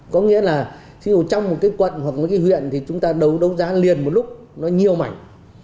có nghĩa là thí dụ trong một cái quận hoặc một cái huyện thì chúng ta đấu đấu giá liền một lúc nó nhiều mảnh